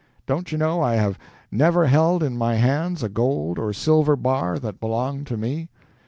Don't you know I have never held in my hands a gold or silver bar that belonged to me?